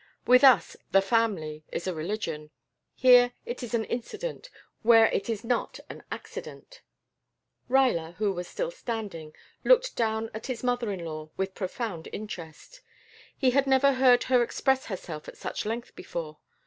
With us The Family is a religion. Here it is an incident where it is not an accident." Ruyler, who was still standing, looked down at his mother in law with profound interest. He had never heard her express herself at such length before.